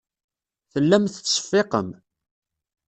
Tellam tettseffiqem.